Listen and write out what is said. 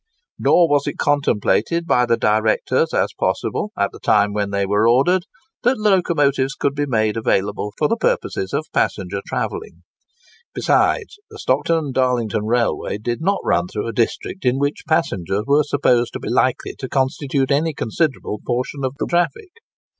Nor was it contemplated by the directors as possible, at the time when they were ordered, that locomotives could be made available for the purposes of passenger travelling. Besides, the Stockton and Darlington Railway did not run through a district in which passengers were supposed to be likely to constitute any considerable portion of the traffic.